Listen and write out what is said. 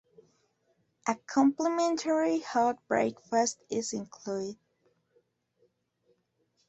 A complimentary hot breakfast is included.